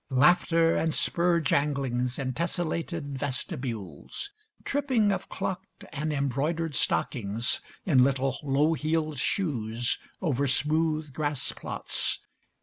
Laughter, and spur janglings in tessellated vestibules. Tripping of clocked and embroidered stockings in little low heeled shoes over smooth grass plots.